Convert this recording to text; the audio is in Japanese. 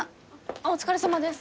お疲れさまです。